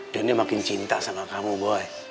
dan dia makin cinta sama kamu boy